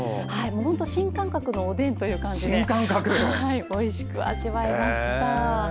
新感覚のおでんという感じでおいしく味わえました。